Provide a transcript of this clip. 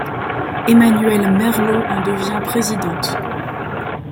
Emmanuelle Merlot en devient présidente.